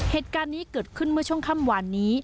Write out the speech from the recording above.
เหตุการณ์นี้เกิดขึ้นเมื่อช่วงค่ำวานนี้